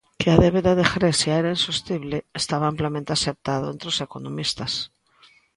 Que a débeda de Grecia era insostible estaba amplamente aceptado entre os economistas.